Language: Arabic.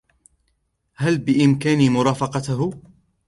هل بإمكاني مرافقته؟